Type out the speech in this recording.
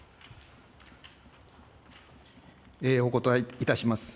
お答えいたします。